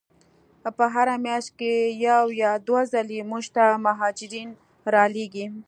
په هره میاشت کې یو یا دوه ځلې موږ ته مهاجرین را لیږي.